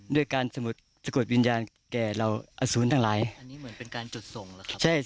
ด้วยการสะกดวิญญาณแก่เหล่าอสูรทั้งหลายอันนี้เหมือนเป็นการจุดส่งหรือครับ